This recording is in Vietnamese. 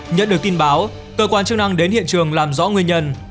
nhận được tin báo cơ quan chức năng đến hiện trường làm rõ nguyên nhân